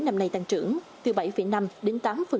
năm nay tăng trưởng từ bảy năm đến tám